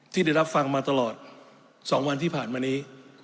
ที่ได้รับฟังมาตลอด๒วันที่ผ่านมานี้